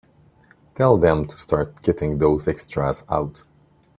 Tell them to start getting those extras out.